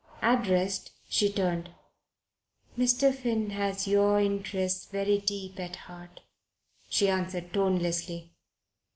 Addressed, she turned. "Mr. Finn has your interests very deep at heart," she answered tonelessly.